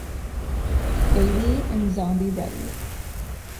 Baby" and "Zombie Reddy.